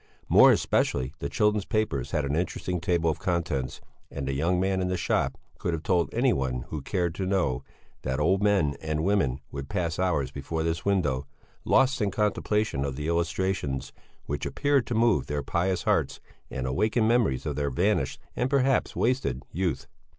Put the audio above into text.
More especially the children's papers had an interesting table of contents, and the young man in the shop could have told anyone who cared to know that old men and women would pass hours before this window, lost in contemplation of the illustrations, which appeared to move their pious hearts and awaken memories of their vanished and perhaps wasted youth.